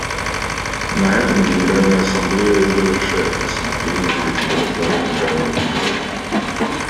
На этом Генеральная Ассамблея завершает рассмотрение третьего доклада Генерального комитета.